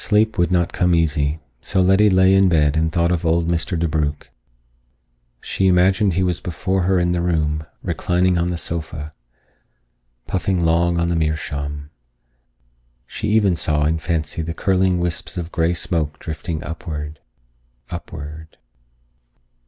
Sleep would not come easy, so Letty lay in bed and thought of old Mr. DeBrugh. She imagined he was before her in the room, reclining on the sofa, puffing long on the meerschaum. She even saw in fancy the curling wisps of gray smoke drifting upward, upward....